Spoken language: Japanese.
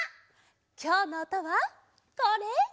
きょうのおとはこれ！